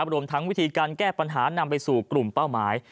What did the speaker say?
รวมทั้งวิธีการแก้ปัญหานำไปสู่กลุ่มเป้าหมาย